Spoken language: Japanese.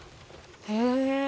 へえ。